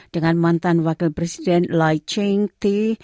dengan mantan wakil presiden lai ching ti